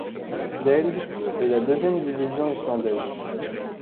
Deild est la de la deuxième division islandaise.